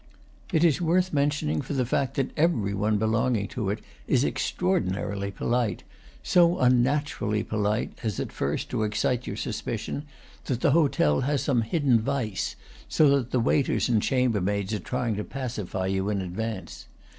It is worth mentioning for the fact that every one belonging to it is extraordinarily polite, so unnaturally polite as at first to excite your suspicion that the hotel has some hidden vice, so that the waiters and chambermaids are trying to pacify you in advance.